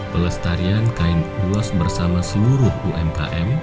pelestarian kain ulas bersama seluruh umkm